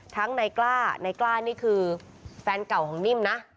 ในกล้านายกล้านี่คือแฟนเก่าของนิ่มนะ